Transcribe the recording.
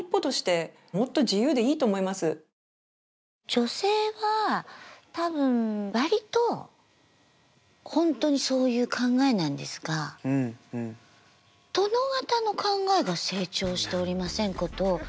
女性は多分割と本当にそういう考えなんですが殿方の考えが成長しておりませんことを非常に感じております。